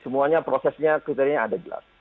semuanya prosesnya kriteria ada jelas